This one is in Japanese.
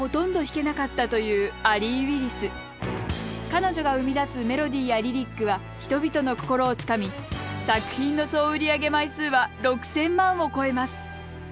彼女が生み出すメロディーやリリックは人々の心をつかみ作品の総売り上げ枚数は６，０００万を超えます。